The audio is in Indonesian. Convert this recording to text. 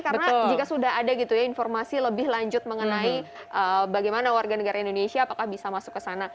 karena jika sudah ada gitu ya informasi lebih lanjut mengenai bagaimana warga negara indonesia apakah bisa masuk ke sana